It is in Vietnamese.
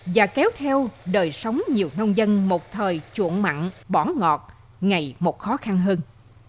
và kéo theo đời sống nhiều nông dân một thời chuộng mặn bỏ ngọt ngày một khó khăn hơn